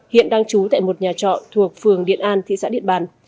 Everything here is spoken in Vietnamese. hiện đang trú tại một nhà trọ thuộc phường điện an thị xã điện bàn